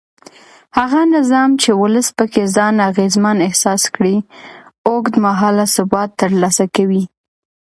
هغه نظام چې ولس پکې ځان اغېزمن احساس کړي اوږد مهاله ثبات ترلاسه کوي